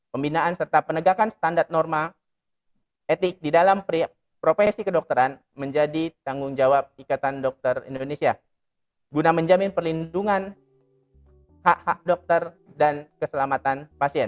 pembinaan serta penegakan standar norma etik di dalam profesi kedokteran menjadi tanggung jawab ikatan dokter indonesia guna menjamin perlindungan hak hak dokter dan keselamatan pasien